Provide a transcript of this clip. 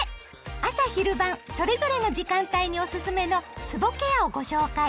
朝・昼・晩それぞれの時間帯におすすめのつぼケアをご紹介。